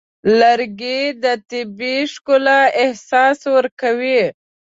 لرګی د طبیعي ښکلا احساس ورکوي.